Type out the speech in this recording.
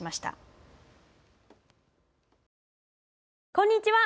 こんにちは。